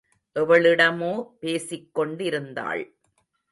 எவளிடமோ பேசிக் கொண்டிருந்தாள்.